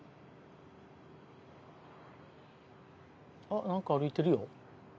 あっ何か歩いてるよ。